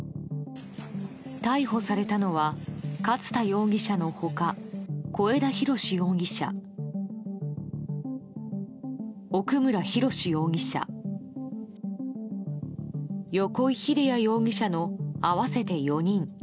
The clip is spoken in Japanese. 逮捕されたのは勝田容疑者の他小枝浩志容疑者、奥村博容疑者横井秀哉容疑者の合わせて４人。